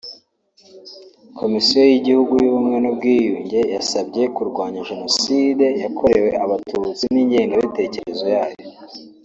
Komisiyo y’Igihugu y’Ubumwe n’Ubwiyunge yabasabye kurwanya Jenoside yakorewe Abatutsi n’ingengabitekerezo yayo